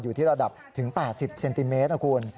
อยู่ที่ระดับถึง๘๐เซนติเมตรนะคุณ